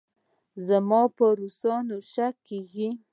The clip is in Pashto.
زما په روسانو شک کېږي.